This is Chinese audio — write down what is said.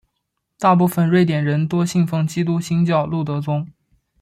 大部分瑞典人多信奉基督新教路德宗。